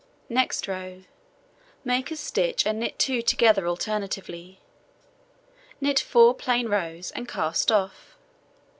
Next row: Make a stitch and knit 2 together alternately, knit 4 plain rows, and cast off.